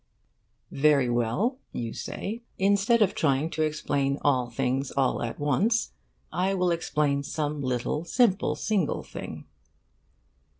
'Very well,' you say, 'instead of trying to explain all things all at once, I will explain some little, simple, single thing.